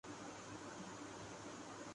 اُسے اپنی بھر پور رفاقت کا احساس دلاتی ہے